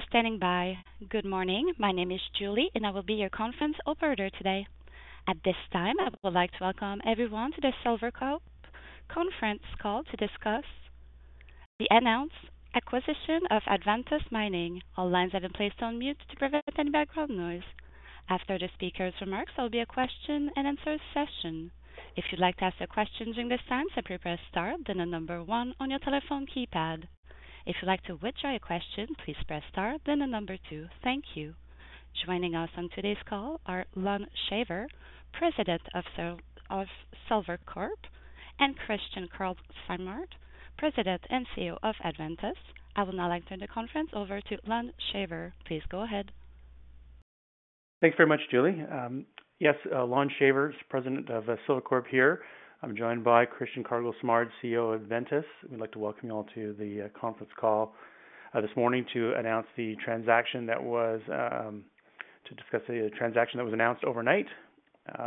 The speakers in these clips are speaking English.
Thank you for standing by. Good morning. My name is Julie, and I will be your conference operator today. At this time, I would like to welcome everyone to the Silvercorp conference call to discuss the announced acquisition of Adventus Mining. All lines have been placed on mute to prevent any background noise. After the speaker's remarks, there will be a Q&A session. If you'd like to ask a question during this time, simply press star, then the number one on your telephone keypad. If you'd like to withdraw your question, please press star, then the number two. Thank you. Joining us on today's call are Lon Shaver, President of Silvercorp, and Christian Kargl-Simard, President and CEO of Adventus. I would now like to turn the conference over to Lon Shaver. Please go ahead. Thanks very much, Julie. Yes, Lon Shaver, President of Silvercorp, here. I'm joined by Christian Kargl-Simard, CEO of Adventus. We'd like to welcome you all to the conference call this morning to announce the transaction that was to discuss the transaction that was announced overnight.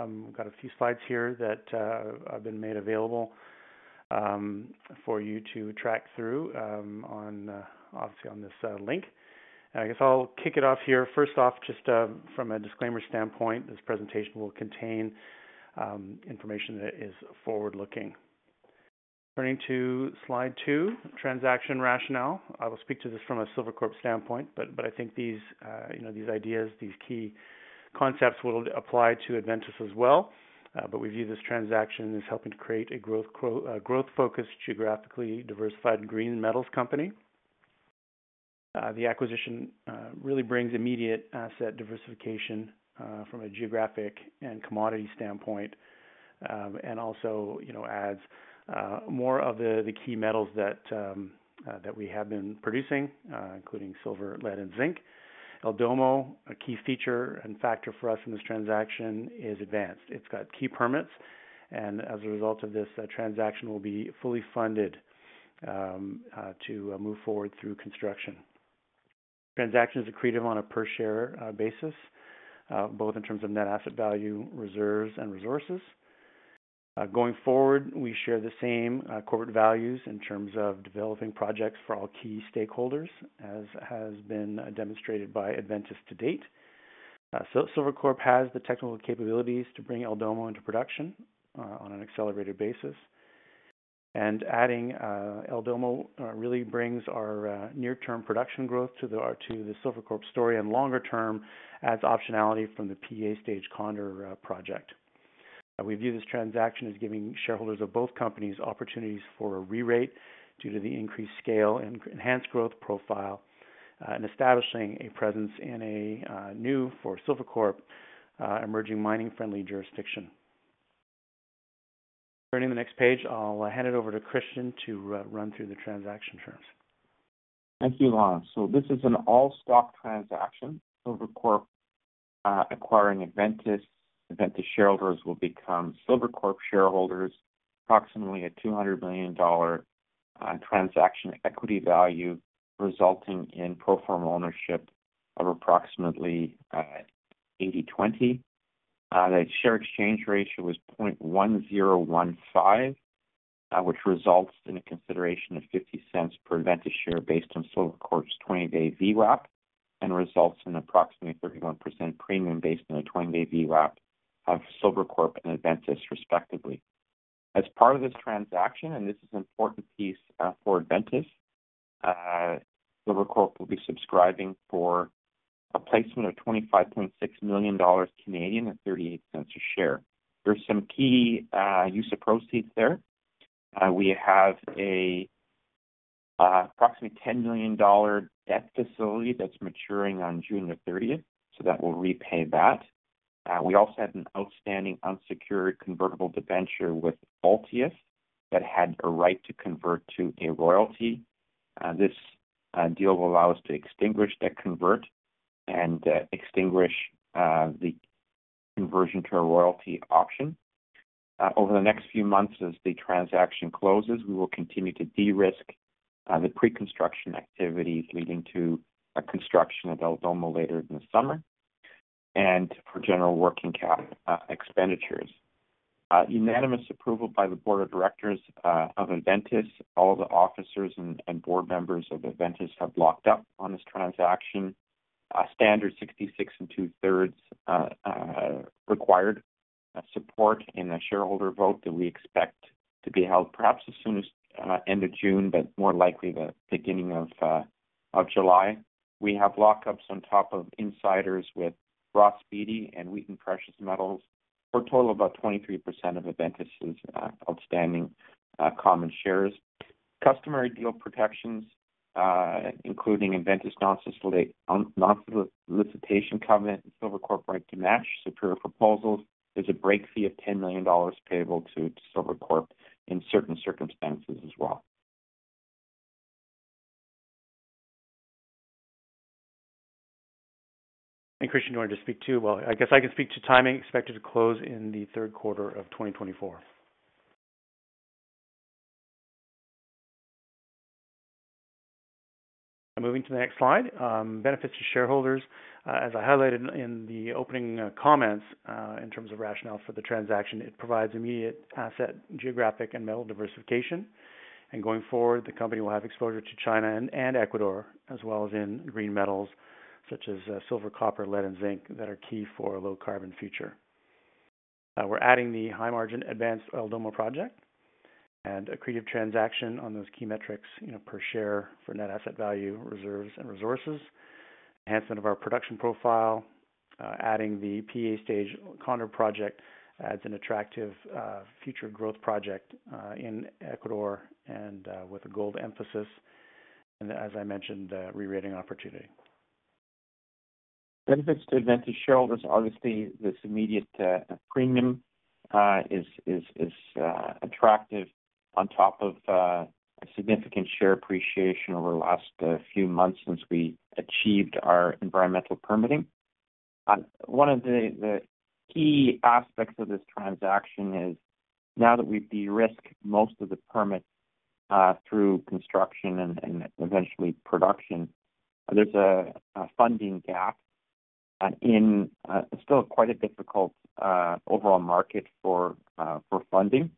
We've got a few slides here that have been made available for you to track through on obviously on this link. I guess I'll kick it off here. First off, just from a disclaimer standpoint, this presentation will contain information that is forward-looking. Turning to slide two, transaction rationale. I will speak to this from a Silvercorp standpoint, but but I think these you know these ideas, these key concepts will apply to Adventus as well. But we view this transaction as helping to create a growth cro- a growth-focused, geographically diversified green metals company. The acquisition really brings immediate asset diversification from a geographic and commodity standpoint, and also, you know, adds more of the key metals that we have been producing, including silver, lead, and zinc. El Domo, a key feature and factor for us in this transaction is advanced. It's got key permits, and as a result of this, the transaction will be fully funded to move forward through construction. Transaction is accretive on a per-share basis both in terms of net asset value, reserves, and resources. Going forward, we share the same corporate values in terms of developing projects for all key stakeholders, as has been demonstrated by Adventus to date. Silvercorp has the technical capabilities to bring El Domo into production on an accelerated basis, and adding El Domo really brings our near-term production growth to the Silvercorp story, and longer term, adds optionality from the PEA stage Condor project. We view this transaction as giving shareholders of both companies opportunities for a rerate due to the increased scale and enhanced growth profile, and establishing a presence in a new, for Silvercorp, emerging mining-friendly jurisdiction. Turning to the next page, I'll hand it over to Christian to run through the transaction terms. Thank you, Lon. So this is an all-stock transaction, Silvercorp, acquiring Adventus. Adventus shareholders will become Silvercorp shareholders, approximately 200 million dollar transaction equity value, resulting in pro forma ownership of approximately 80/20. The share exchange ratio is 0.1015, which results in a consideration of 0.50 per Adventus share based on Silvercorp's 20-day VWAP, and results in approximately 31% premium based on a 20-day VWAP of Silvercorp and Adventus, respectively. As part of this transaction, and this is an important piece, for Adventus, Silvercorp will be subscribing for a placement of 25.6 million Canadian dollars at 0.38 a share. There's some key use of proceeds there. We have approximately $10 million debt facility that's maturing on June the 30th, so that will repay that. We also had an outstanding unsecured convertible debenture with Altius that had a right to convert to a royalty. This deal will allow us to extinguish that convert and extinguish the conversion to a royalty option. Over the next few months, as the transaction closes, we will continue to de-risk the pre-construction activities leading to a construction at El Domo later in the summer, and for general working cap expenditures. Unanimous approval by the board of directors of Adventus. All the officers and board members of Adventus have locked up on this transaction. Standard 66 2/3 required support in a shareholder vote that we expect to be held, perhaps as soon as end of June, but more likely the beginning of July. We have lockups on top of insiders with Ross Beaty and Wheaton Precious Metals for a total of about 23% of Adventus's outstanding common shares. Customary deal protections, including Adventus' non-solicitation covenant, and Silvercorp right to match superior proposals. There's a break fee of $10 million payable to Silvercorp in certain circumstances as well. Christian, you wanted to speak too? Well, I guess I can speak to timing, expected to close in the third quarter of 2024. Moving to the next slide, benefits to shareholders. As I highlighted in the opening comments, in terms of rationale for the transaction, it provides immediate asset, geographic, and metal diversification.... Going forward, the company will have exposure to China and Ecuador, as well as in green metals such as silver, copper, lead, and zinc that are key for a low carbon future. We're adding the high-margin advanced El Domo project and accretive transaction on those key metrics, you know, per share for net asset value, reserves, and resources, enhancement of our production profile, adding the PEA-stage Condor project adds an attractive, future growth project, in Ecuador and, with a gold emphasis, and as I mentioned, a rerating opportunity. Benefits to Adventus shareholders, obviously, this immediate premium is attractive on top of a significant share appreciation over the last few months since we achieved our environmental permitting. One of the key aspects of this transaction is, now that we've de-risked most of the permit through construction and eventually production, there's a funding gap in still quite a difficult overall market for funding.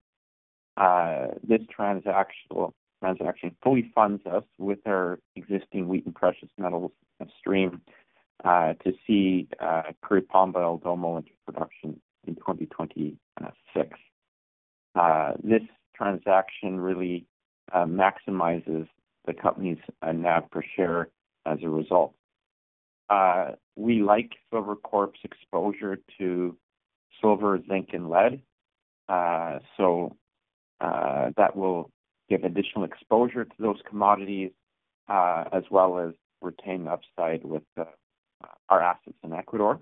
This transaction fully funds us with our existing Wheaton Precious Metals stream to see Curipamba El Domo into production in 2026. This transaction really maximizes the company's NAV per share as a result. We like Silvercorp's exposure to silver, zinc, and lead, so, that will give additional exposure to those commodities, as well as retain upside with, our assets in Ecuador.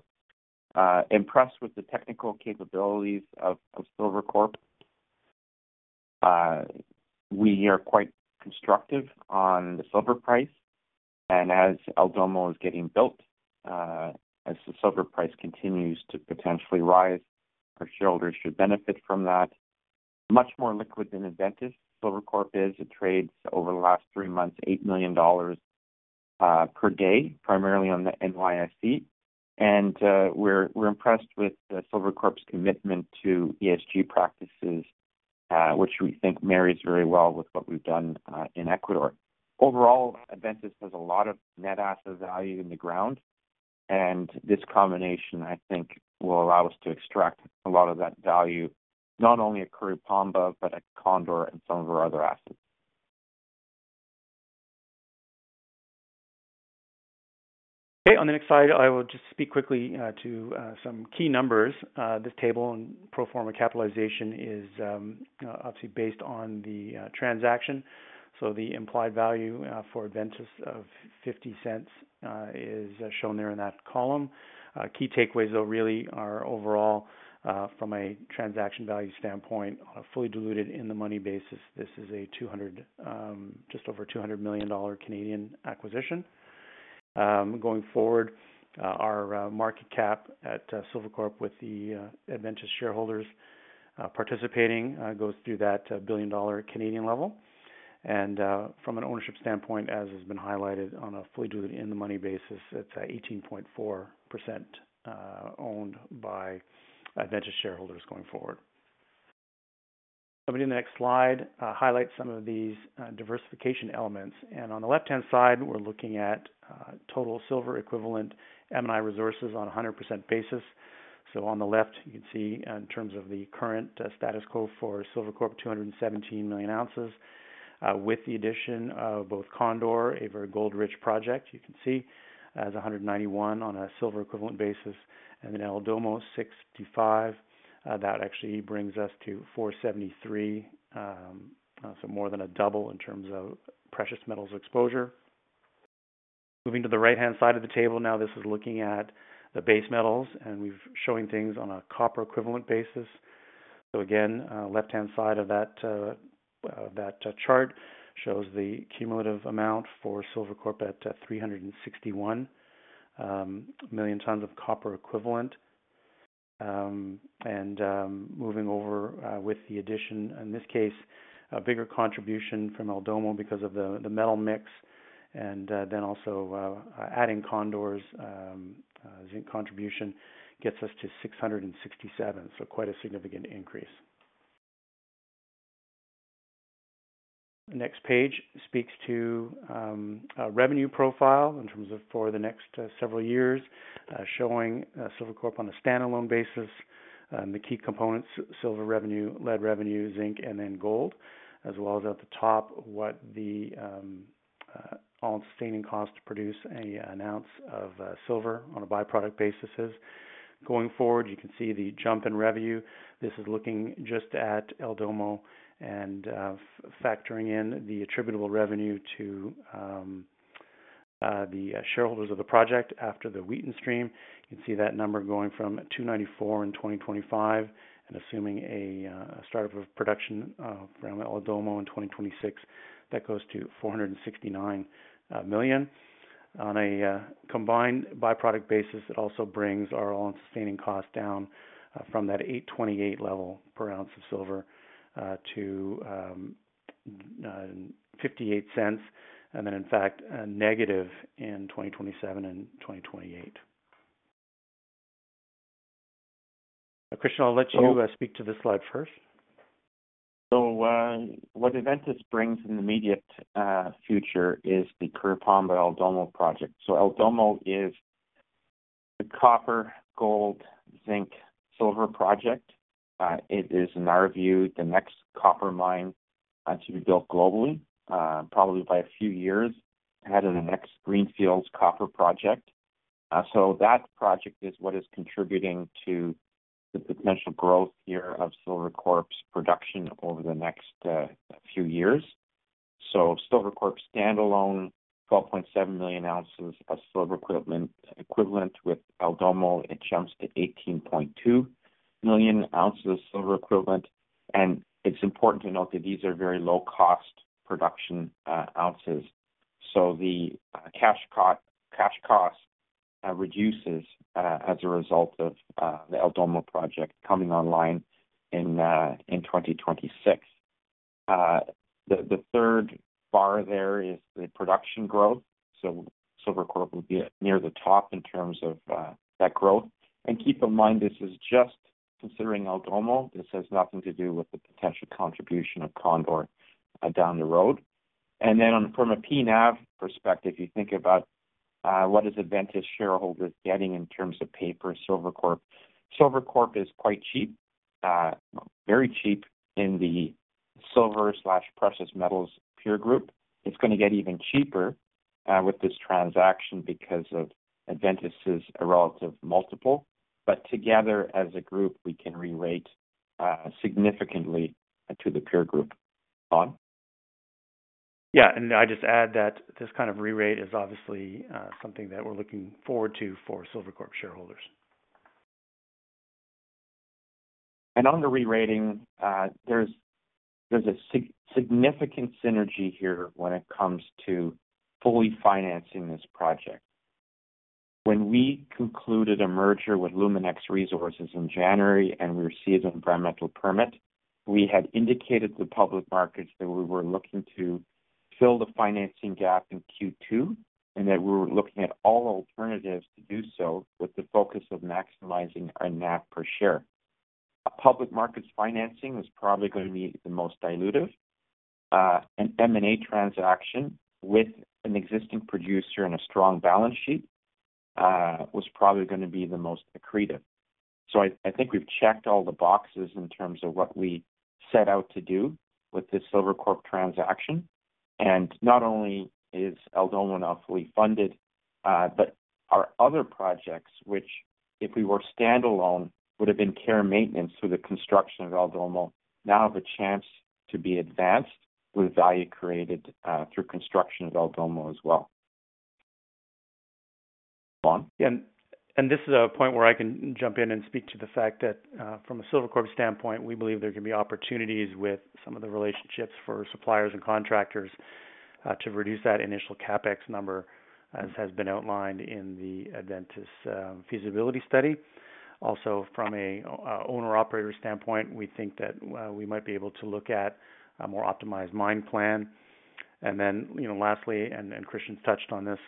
Impressed with the technical capabilities of Silvercorp. We are quite constructive on the silver price, and as El Domo is getting built, as the silver price continues to potentially rise, our shareholders should benefit from that. Much more liquid than Adventus, Silvercorp is. It trades over the last three months, $8 million per day, primarily on the NYSE. And, we're impressed with Silvercorp's commitment to ESG practices, which we think marries very well with what we've done, in Ecuador. Overall, Adventus has a lot of net asset value in the ground, and this combination, I think, will allow us to extract a lot of that value, not only at Curipamba, but at Condor and some of our other assets. Okay, on the next slide, I will just speak quickly to some key numbers. This table and pro forma capitalization is obviously based on the transaction. So the implied value for Adventus of 0.50 is shown there in that column. Key takeaways, though, really are overall from a transaction value standpoint, fully diluted in the money basis, this is a just over 200 million Canadian dollars acquisition. Going forward, our market cap at Silvercorp with the Adventus shareholders participating goes through that 1 billion dollar level. From an ownership standpoint, as has been highlighted on a fully diluted in the money basis, it's at 18.4% owned by Adventus shareholders going forward. Coming to the next slide, highlight some of these diversification elements. On the left-hand side, we're looking at total silver equivalent M&I resources on a 100% basis. So on the left, you can see in terms of the current status quo for Silvercorp, 217 million ounces, with the addition of both Condor, a very gold-rich project, you can see, as 191 on a silver equivalent basis, and then El Domo, 65. That actually brings us to 473, so more than a double in terms of precious metals exposure. Moving to the right-hand side of the table, now, this is looking at the base metals, and we're showing things on a copper equivalent basis. Again, left-hand side of that chart shows the cumulative amount for Silvercorp at 361 million tons of copper equivalent. And moving over, with the addition, in this case, a bigger contribution from El Domo because of the metal mix, and then also adding Condor's zinc contribution gets us to 667, so quite a significant increase. The next page speaks to a revenue profile in terms of for the next several years, showing Silvercorp on a standalone basis, the key components, silver revenue, lead revenue, zinc, and then gold, as well as at the top, what the all-in sustaining cost to produce an ounce of silver on a byproduct basis is. Going forward, you can see the jump in revenue. This is looking just at El Domo and factoring in the attributable revenue to the shareholders of the project after the Wheaton stream. You can see that number going from $294 million in 2025, and assuming a startup of production around El Domo in 2026, that goes to $469 million. On a combined byproduct basis, it also brings our own sustaining cost down from that $8.28 level per ounce of silver to $0.58, and then in fact negative in 2027 and 2028. Christian, I'll let you speak to this slide first. So, what Adventus brings in the immediate future is the Curipamba El Domo project. So El Domo is the copper, gold, zinc, silver project. It is, in our view, the next copper mine to be built globally, probably by a few years ahead of the next greenfields copper project. So that project is what is contributing to the potential growth year of Silvercorp's production over the next few years. So Silvercorp's standalone, 12.7 million ounces of silver equivalent, equivalent with El Domo, it jumps to 18.2 million ounces of silver equivalent. And it's important to note that these are very low-cost production ounces. So the cash costs reduces as a result of the El Domo project coming online in 2026. The third bar there is the production growth. So Silvercorp will be at near the top in terms of that growth. And keep in mind, this is just considering El Domo. This has nothing to do with the potential contribution of Condor down the road. And then on, from a P/NAV perspective, you think about what is Adventus shareholders getting in terms of paper Silvercorp? Silvercorp is quite cheap, very cheap in the silver slash precious metals peer group. It's gonna get even cheaper with this transaction because of Adventus's relative multiple. But together, as a group, we can rerate significantly to the peer group. On. Yeah, and I just add that this kind of rerate is obviously something that we're looking forward to for Silvercorp shareholders. On the re-rating, there's a significant synergy here when it comes to fully financing this project. When we concluded a merger with Luminex Resources in January and received an environmental permit, we had indicated to the public markets that we were looking to fill the financing gap in Q2, and that we were looking at all alternatives to do so with the focus of maximizing our NAV per share. A public markets financing was probably gonna be the most dilutive. An M&A transaction with an existing producer and a strong balance sheet was probably gonna be the most accretive. So I think we've checked all the boxes in terms of what we set out to do with this Silvercorp transaction. And not only is El Domo now fully funded, but our other projects, which, if we were standalone, would have been care and maintenance through the construction of El Domo, now have a chance to be advanced with value created, through construction of El Domo as well. On. This is a point where I can jump in and speak to the fact that, from a Silvercorp standpoint, we believe there can be opportunities with some of the relationships for suppliers and contractors, to reduce that initial CapEx number, as has been outlined in the Adventus feasibility study. Also, from a owner-operator standpoint, we think that we might be able to look at a more optimized mine plan. And then, you know, lastly, and Christian touched on this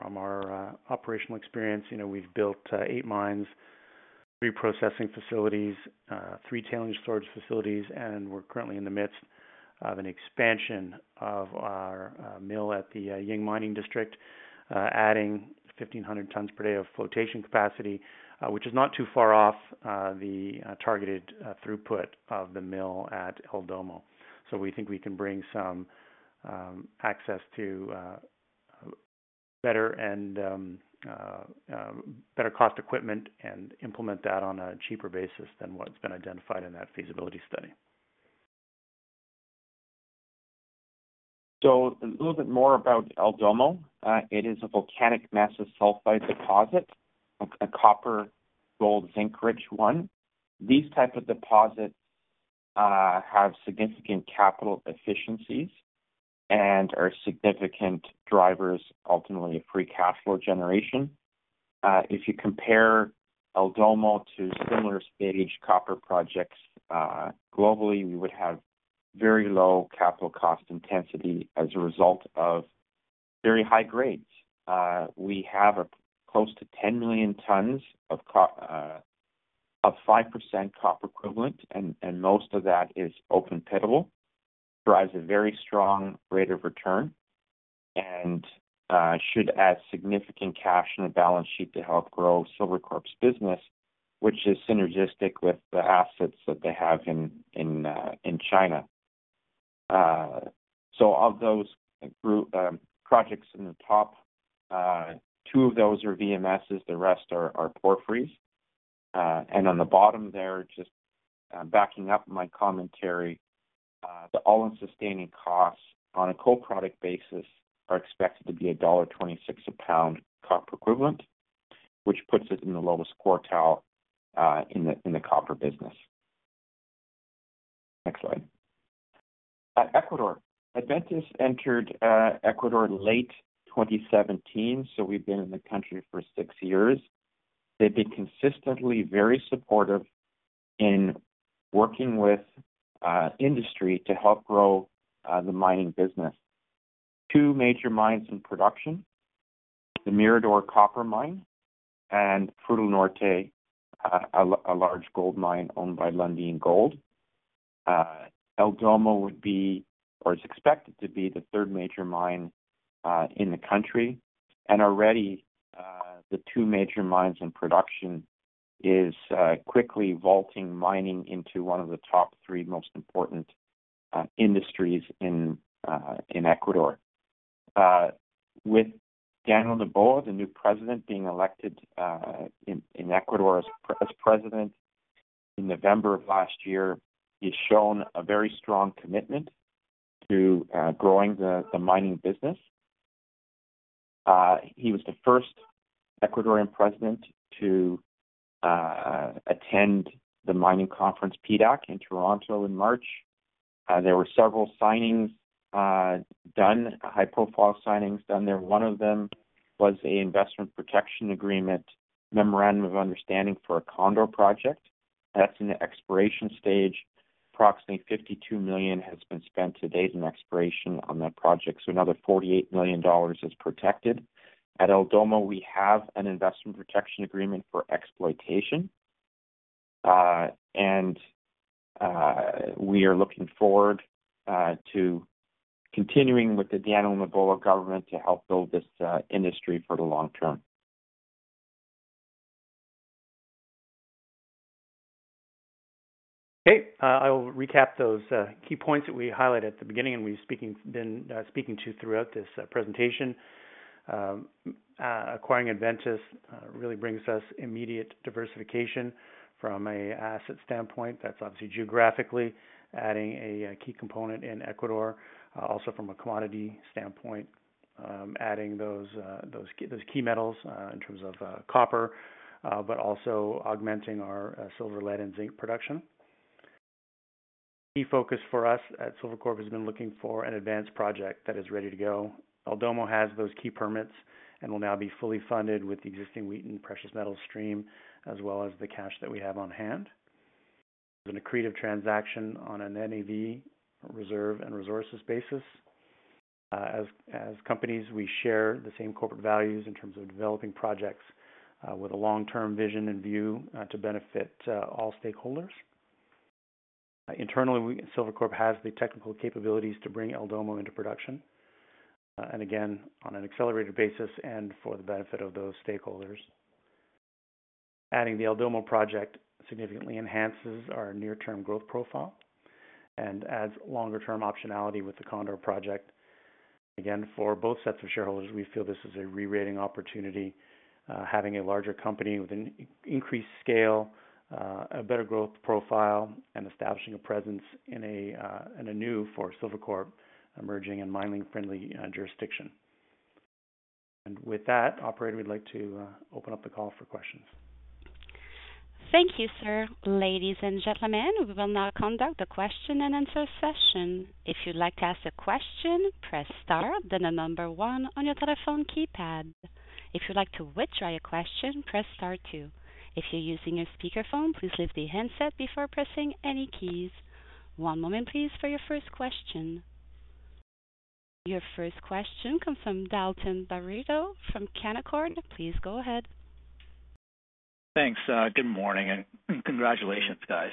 from our operational experience, you know, we've built eight mines, three processing facilities, three tailings storage facilities, and we're currently in the midst of an expansion of our mill at the Ying Mining District, adding 1,500 tons per day of flotation capacity, which is not too far off the targeted throughput of the mill at El Domo. So we think we can bring some access to better and better cost equipment and implement that on a cheaper basis than what's been identified in that feasibility study. So a little bit more about El Domo. It is a volcanic massive sulfide deposit, a copper, gold, zinc-rich one. These type of deposits have significant capital efficiencies and are significant drivers, ultimately, of free cash flow generation. If you compare El Domo to similar stage copper projects, globally, we would have very low capital cost intensity as a result of very high grades. We have close to 10 million tons of 5% copper equivalent, and most of that is open-pittable, drives a very strong rate of return and should add significant cash to the balance sheet to help grow Silvercorp's business, which is synergistic with the assets that they have in China. So of those group projects in the top, two of those are VMSs, the rest are porphyries. And on the bottom there, just backing up my commentary, the all-in sustaining costs on a co-product basis are expected to be $1.26 a pound copper equivalent, which puts it in the lowest quartile in the copper business. Next slide. Ecuador. Adventus entered Ecuador in late 2017, so we've been in the country for six years. They've been consistently very supportive in working with industry to help grow the mining business. Two major mines in production: the Mirador copper mine and Fruta del Norte, a large gold mine owned by Lundin Gold. El Domo would be, or is expected to be, the third major mine in the country. Already, the two major mines in production is quickly vaulting mining into one of the top three most important industries in Ecuador. With Daniel Noboa, the new president, being elected in Ecuador as president in November of last year, he's shown a very strong commitment to growing the mining business. He was the first Ecuadorian president to attend the mining conference, PDAC, in Toronto in March. There were several signings done, high-profile signings done there. One of them was a Investment Protection Agreement, memorandum of understanding for a Condor project. That's in the exploration stage. Approximately $52 million has been spent to date in exploration on that project, so another $48 million is protected. At El Domo, we have an Investment Protection Agreement for exploitation, and we are looking forward to continuing with the Daniel Noboa government to help build this industry for the long term. Okay. I will recap those key points that we highlighted at the beginning and we've been speaking to throughout this presentation. Acquiring Adventus really brings us immediate diversification from an asset standpoint. That's obviously geographically adding a key component in Ecuador. Also from a commodity standpoint, adding those key metals in terms of copper, but also augmenting our silver, lead, and zinc production. Key focus for us at Silvercorp has been looking for an advanced project that is ready to go. El Domo has those key permits and will now be fully funded with the existing Wheaton precious metal stream, as well as the cash that we have on hand. An accretive transaction on an NAV reserve and resources basis. As companies, we share the same corporate values in terms of developing projects with a long-term vision and view to benefit all stakeholders. Internally, we, Silvercorp has the technical capabilities to bring El Domo into production, and again, on an accelerated basis and for the benefit of those stakeholders. Adding the El Domo project significantly enhances our near-term growth profile and adds longer-term optionality with the Condor Project. Again, for both sets of shareholders, we feel this is a re-rating opportunity, having a larger company with an increased scale, a better growth profile, and establishing a presence in a new, for Silvercorp, emerging and mining-friendly jurisdiction. With that, operator, we'd like to open up the call for questions. Thank you, sir. Ladies and gentlemen, we will now conduct a Q&A session. If you'd like to ask a question, press star, then the number one on your telephone keypad. If you'd like to withdraw your question, press star two. If you're using a speakerphone, please lift the handset before pressing any keys. One moment, please, for your first question. Your first question comes from Dalton Baretto from Canaccord. Please go ahead. Thanks. Good morning, and congratulations, guys.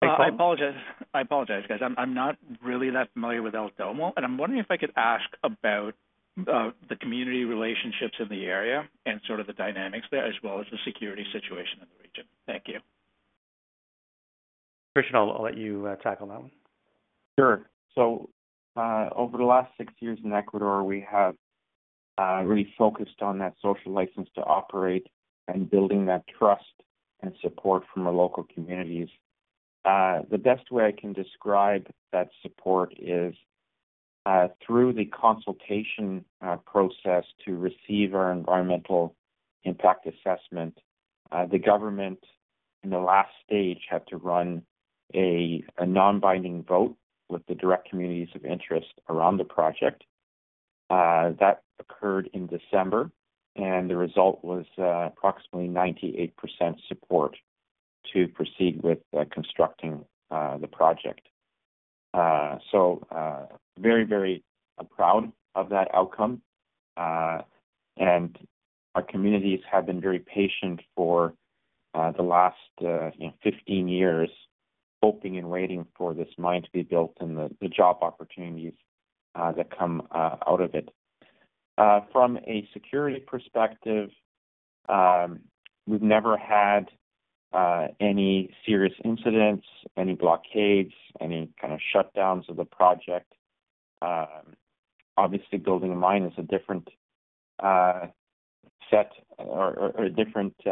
Thanks, Dalton. I apologize, I apologize, guys. I'm not really that familiar with El Domo, and I'm wondering if I could ask about the community relationships in the area and sort of the dynamics there, as well as the security situation in the region. Thank you. Christian, I'll let you tackle that one. Sure. So, over the last six years in Ecuador, we have really focused on that social license to operate and building that trust and support from the local communities. The best way I can describe that support is through the consultation process to receive our environmental impact assessment. The government, in the last stage, had to run a non-binding vote with the direct communities of interest around the project. That occurred in December, and the result was approximately 98% support to proceed with constructing the project. So, very, very proud of that outcome. And our communities have been very patient for the last, you know, 15 years, hoping and waiting for this mine to be built and the job opportunities that come out of it. From a security perspective, we've never had any serious incidents, any blockades, any kind of shutdowns of the project. Obviously, building a mine is a different set or a different, you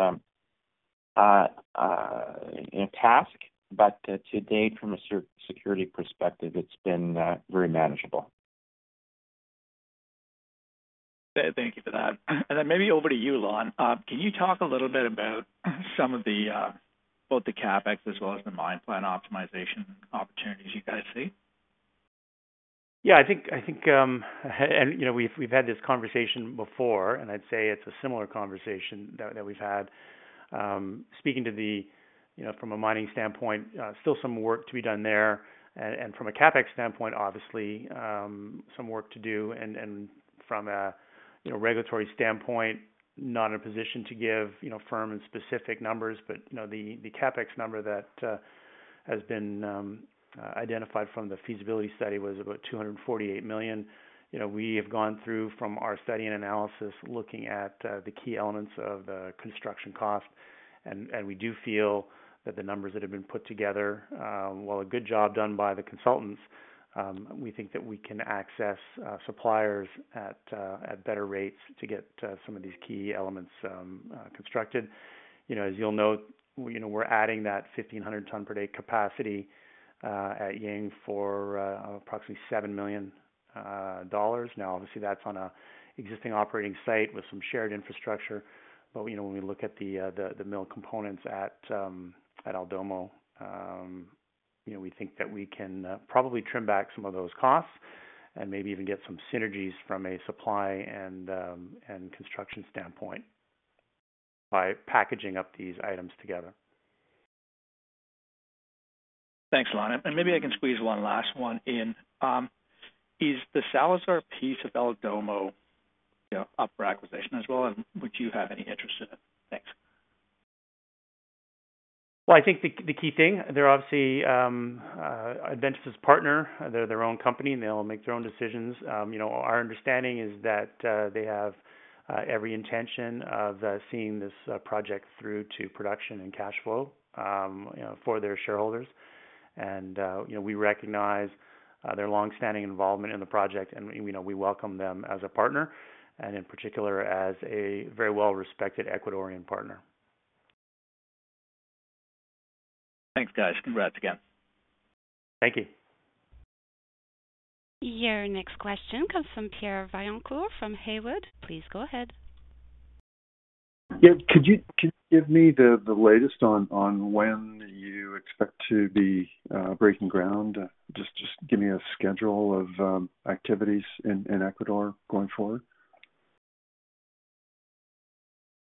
know, task, but to date, from a security perspective, it's been very manageable. Okay, thank you for that. And then maybe over to you, Lon. Can you talk a little bit about some of the both the CapEx as well as the mine plan optimization opportunities you guys see? Yeah, I think, and, you know, we've had this conversation before, and I'd say it's a similar conversation that we've had. Speaking to the, you know, from a mining standpoint, still some work to be done there. And from a CapEx standpoint, obviously, some work to do. And from a regulatory standpoint, not in a position to give, you know, firm and specific numbers, but, you know, the CapEx number that has been identified from the feasibility study was about 248 million. You know, we have gone through from our study and analysis, looking at the key elements of the construction cost, and, and we do feel that the numbers that have been put together, while a good job done by the consultants, we think that we can access suppliers at better rates to get some of these key elements constructed. You know, as you'll note, you know, we're adding that 1,500 ton per day capacity at Ying for approximately $7 million. Now, obviously, that's on an existing operating site with some shared infrastructure, but, you know, when we look at the mill components at El Domo, you know, we think that we can probably trim back some of those costs and maybe even get some synergies from a supply and construction standpoint by packaging up these items together. Thanks, Lon. Maybe I can squeeze one last one in. Is the Salazar piece of El Domo, you know, up for acquisition as well, and would you have any interest in it? Thanks. Well, I think the key thing, they're obviously Adventus' partner. They're their own company, and they'll make their own decisions. You know, our understanding is that they have every intention of seeing this project through to production and cash flow, you know, for their shareholders. And you know, we recognize their long-standing involvement in the project, and you know, we welcome them as a partner and in particular as a very well-respected Ecuadorian partner. Thanks, guys. Congrats again. Thank you. Your next question comes from Pierre Vaillancourt from Haywood. Please go ahead. Yeah, could you, could you give me the, the latest on, on when you expect to be, breaking ground? Just, just give me a schedule of, activities in, in Ecuador going forward.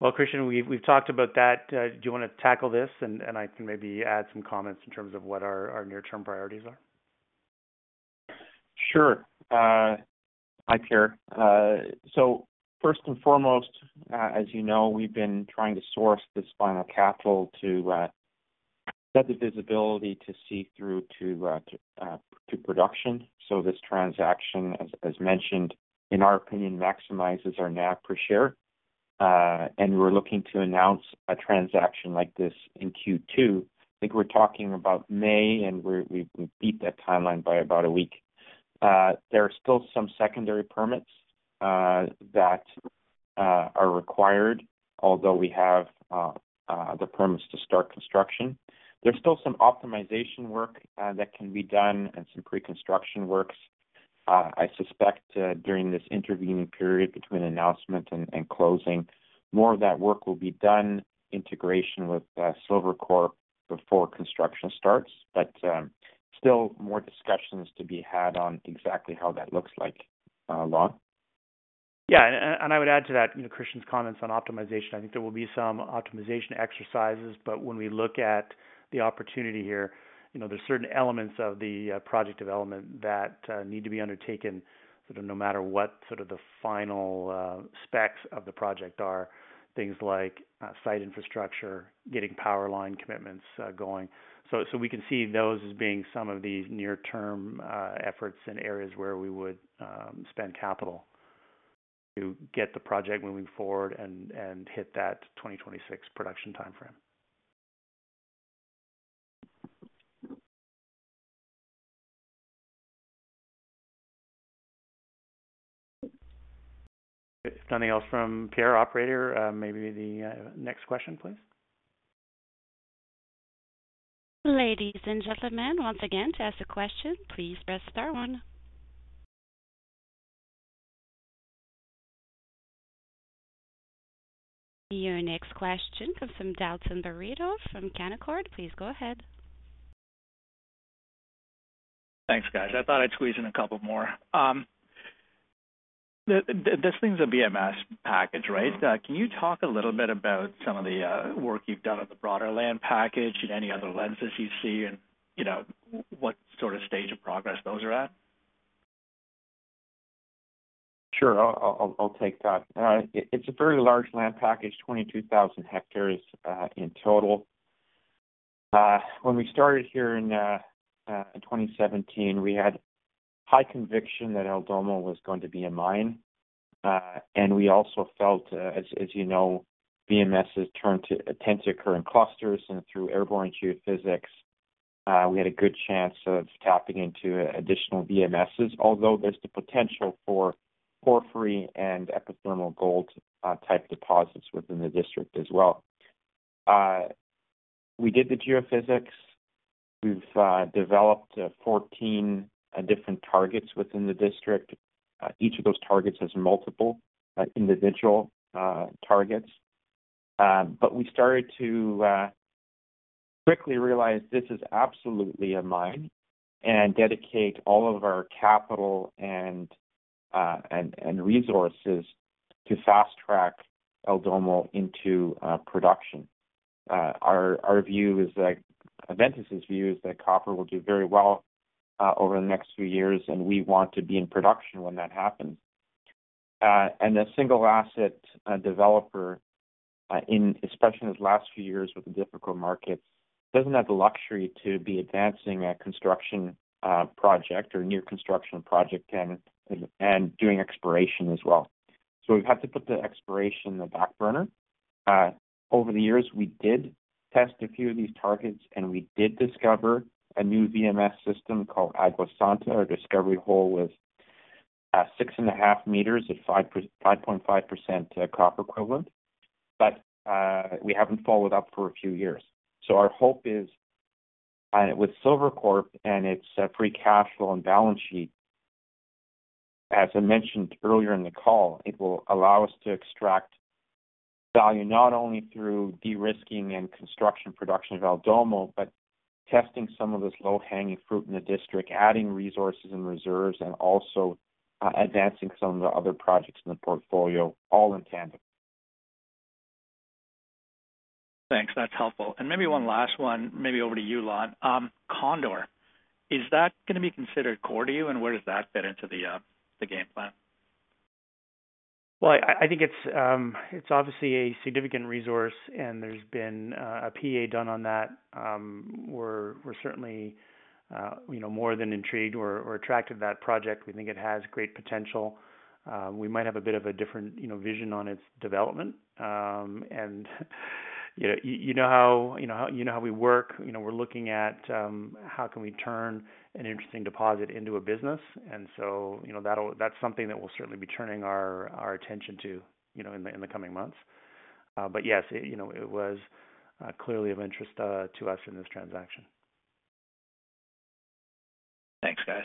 Well, Christian, we've talked about that. Do you want to tackle this? And I can maybe add some comments in terms of what our near-term priorities are. Sure. Hi, Pierre. So first and foremost, as you know, we've been trying to source this final capital to get the visibility to see through to production. So this transaction, as mentioned, in our opinion, maximizes our NAV per share. And we're looking to announce a transaction like this in Q2. I think we're talking about May, and we beat that timeline by about a week. There are still some secondary permits that are required, although we have the permits to start construction. There's still some optimization work that can be done and some pre-construction works. I suspect, during this intervening period between announcement and closing, more of that work will be done, integration with Silvercorp before construction starts, but still more discussions to be had on exactly how that looks like, Lon. Yeah, and, and, and I would add to that, you know, Christian's comments on optimization. I think there will be some optimization exercises, but when we look at the opportunity here, you know, there's certain elements of the project development that need to be undertaken, sort of no matter what sort of the final specs of the project are. Things like site infrastructure, getting power line commitments going. So, so we can see those as being some of the near-term efforts in areas where we would spend capital to get the project moving forward and, and hit that 2026 production timeframe. If nothing else from Pierre, operator, maybe the next question, please. Ladies and gentlemen, once again, to ask a question, please press star one. Your next question comes from Dalton Baretto from Canaccord. Please go ahead. Thanks, guys. I thought I'd squeeze in a couple more. This thing's a VMS package, right? Can you talk a little bit about some of the work you've done on the broader land package and any other lenses you see and, you know, what sort of stage of progress those are at? Sure. I'll take that. It's a very large land package, 22,000 hectares, in total. When we started here in 2017, we had high conviction that El Domo was going to be a mine. And we also felt, as you know, VMSs tend to occur in clusters, and through airborne geophysics, we had a good chance of tapping into additional VMSs, although there's the potential for porphyry and epithermal gold type deposits within the district as well. We did the geophysics. We've developed 14 different targets within the district. Each of those targets has multiple individual targets. But we started to quickly realize this is absolutely a mine, and dedicate all of our capital and resources to fast-track El Domo into production. Our view is that Adventus' view is that copper will do very well over the next few years, and we want to be in production when that happens. And a single asset developer, especially in this last few years with the difficult markets, doesn't have the luxury to be advancing a construction project or near construction project and doing exploration as well. So we've had to put the exploration in the back burner. Over the years, we did test a few of these targets, and we did discover a new VMS system called Agua Santa. Our discovery hole was 6.5m at 5.5% copper equivalent, but we haven't followed up for a few years. So our hope is with Silvercorp and its free cash flow and balance sheet, as I mentioned earlier in the call, it will allow us to extract value, not only through de-risking and construction, production of El Domo, but testing some of this low-hanging fruit in the district, adding resources and reserves, and also advancing some of the other projects in the portfolio, all in tandem. Thanks. That's helpful. And maybe one last one, maybe over to you, Lon. Condor, is that gonna be considered core to you? And where does that fit into the, the game plan? Well, I think it's obviously a significant resource, and there's been a PA done on that. We're certainly, you know, more than intrigued or attracted to that project. We think it has great potential. We might have a bit of a different, you know, vision on its development. You know how we work, you know, we're looking at how can we turn an interesting deposit into a business? So, you know, that'll, that's something that we'll certainly be turning our attention to, you know, in the coming months. But yes, you know, it was clearly of interest to us in this transaction. Thanks, guys.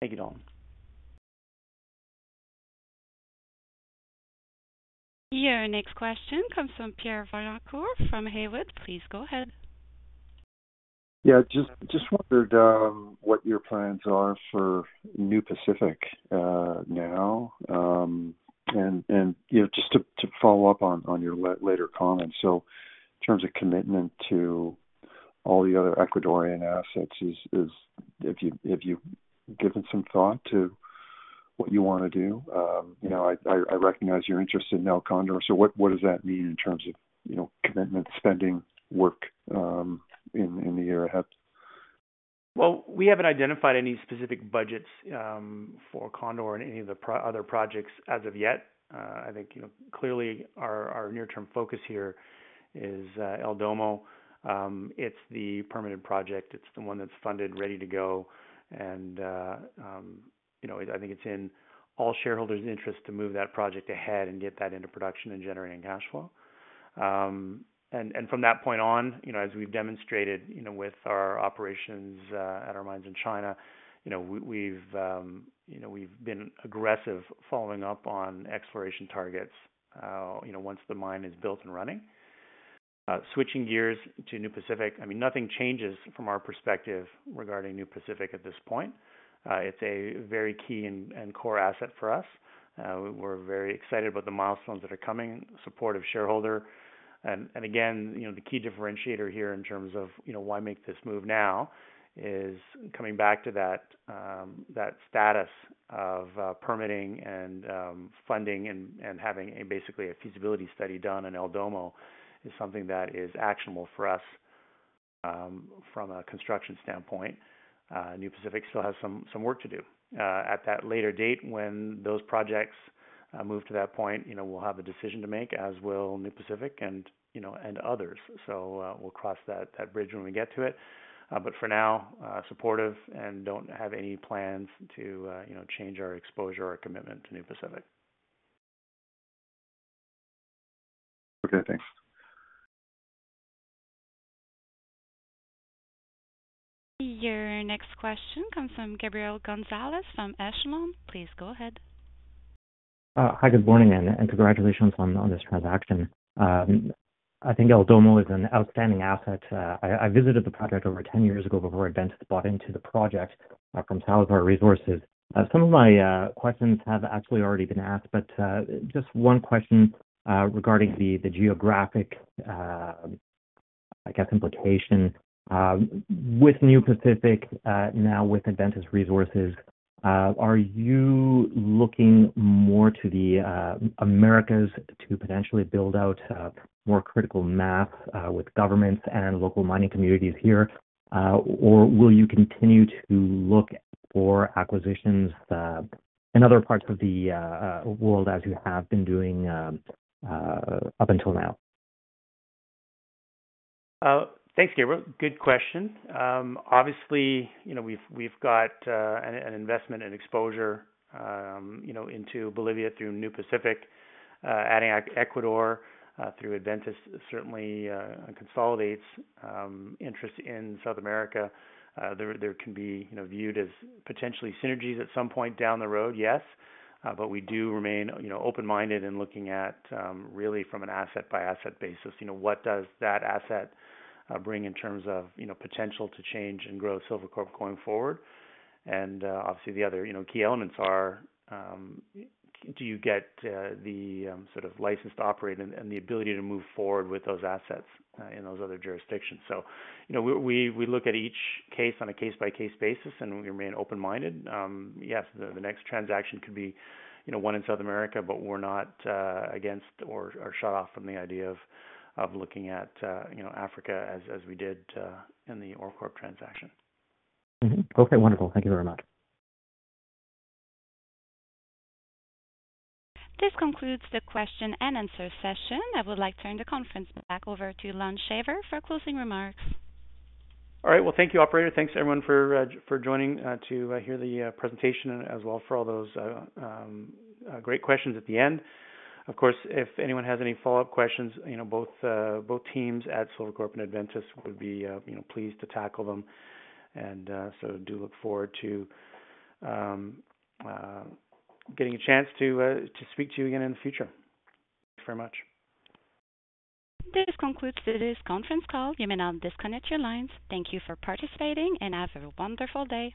Thank you, Don. Your next question comes from Pierre Vaillancourt from Haywood. Please go ahead. Yeah, just wondered what your plans are for New Pacific now? And you know, just to follow up on your later comments. So in terms of commitment to all the other Ecuadorian assets, have you given some thought to what you want to do? You know, I recognize you're interested in El Condor, so what does that mean in terms of, you know, commitment, spending, work in the area ahead? Well, we haven't identified any specific budgets for Condor or any of the other projects as of yet. I think, you know, clearly our near-term focus here is El Domo. It's the permanent project. It's the one that's funded, ready to go, and you know, I think it's in all shareholders' interest to move that project ahead and get that into production and generating cash flow. And from that point on, you know, as we've demonstrated, you know, with our operations at our mines in China, you know, we've been aggressive following up on exploration targets, you know, once the mine is built and running. Switching gears to New Pacific, I mean, nothing changes from our perspective regarding New Pacific at this point. It's a very key and core asset for us. We're very excited about the milestones that are coming, supportive shareholder. And again, you know, the key differentiator here in terms of, you know, why make this move now, is coming back to that, that status of permitting and funding and having basically a feasibility study done in El Domo, is something that is actionable for us, from a construction standpoint. New Pacific still has some work to do. At that later date, when those projects move to that point, you know, we'll have a decision to make, as will New Pacific and, you know, others. So, we'll cross that bridge when we get to it. But for now, supportive and don't have any plans to, you know, change our exposure or commitment to New Pacific. Okay, thanks. Your next question comes from Gabriel Gonzalez from Echelon Capital Markets. Please go ahead. Hi, good morning, and congratulations on this transaction. I think El Domo is an outstanding asset. I visited the project over 10 years ago before Adventus bought into the project from Salazar Resources. Some of my questions have actually already been asked, but just one question regarding the geographic, I guess, implication. With New Pacific now with Adventus Mining, are you looking more to the Americas to potentially build out more critical mass with governments and local mining communities here? Or will you continue to look for acquisitions in other parts of the world, as you have been doing up until now? Thanks, Gabriel. Good question. Obviously, you know, we've got an investment and exposure, you know, into Bolivia through New Pacific, adding Ecuador through Adventus, certainly consolidates interest in South America. There can be, you know, viewed as potentially synergies at some point down the road, yes. But we do remain, you know, open-minded in looking at really from an asset by asset basis. You know, what does that asset bring in terms of, you know, potential to change and grow Silvercorp going forward? And obviously, the other, you know, key elements are, do you get the sort of licensed to operate and the ability to move forward with those assets in those other jurisdictions? So, you know, we look at each case on a case-by-case basis, and we remain open-minded. Yes, the next transaction could be, you know, one in South America, but we're not against or shut off from the idea of looking at, you know, Africa as we did in the OreCorp transaction. Mm-hmm. Okay, wonderful. Thank you very much. This concludes the question-and-answer session. I would like to turn the conference back over to Lon Shaver for closing remarks. All right. Well, thank you, operator. Thanks, everyone, for joining to hear the presentation, as well for all those great questions at the end. Of course, if anyone has any follow-up questions, you know, both teams at Silvercorp and Adventus would be, you know, pleased to tackle them. And so do look forward to getting a chance to speak to you again in the future. Thanks very much. This concludes today's conference call. You may now disconnect your lines. Thank you for participating and have a wonderful day.